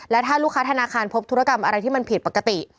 และถ้าลูกค้าธนาคารพบธุรกรรมอะไรที่มันผิดปกติ